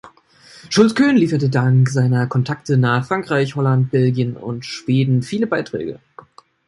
Schulz-Köhn lieferte dank seiner Kontakte nach Frankreich, Holland, Belgien und Schweden viele Beiträge.